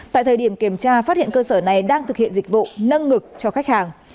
tại thời điểm kiểm tra phát hiện cơ sở này đang thực hiện dịch vụ nâng ngực cho khách hàng